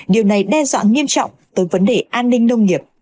điều này đe dọa nghiêm trọng tới vấn đề an ninh nông nghiệp